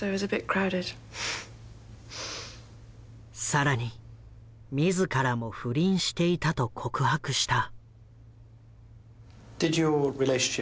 更に自らも不倫していたと告白した。